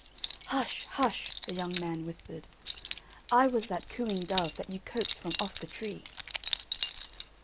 "Hush! hush!" the young man whispered. "I was that cooing dove that you coaxed from off the tree."